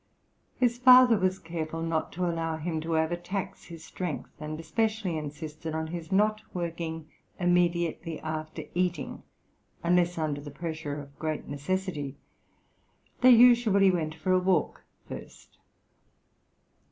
His father was careful not to allow him to overtax his strength, and especially insisted on his not working immediately after eating, unless under the pressure of great necessity; they usually went for a walk first.